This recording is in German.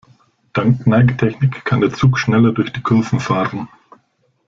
Dank Neigetechnik kann der Zug schneller durch die Kurven fahren.